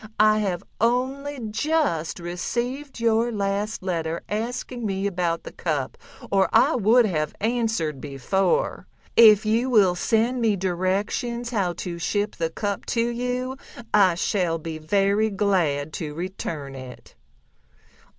I have only just received your last letter asking me about the cup, or I would have answered before. If you will send me directions how to ship the cup to you I shall be very glad to return it."